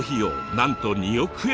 なんと２億円！